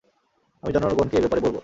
আমি জনগণকে এ ব্যাপারে বলবো।